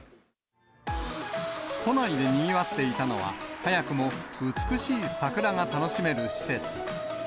都内でにぎわっていたのは、早くも美しい桜が楽しめる施設。